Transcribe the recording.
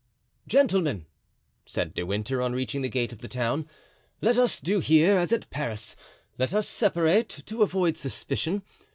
"Gentlemen," said De Winter, on reaching the gate of the town, "let us do here as at Paris—let us separate to avoid suspicion.